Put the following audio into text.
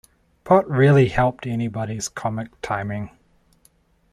Pot rarely helped anybody's comic timing.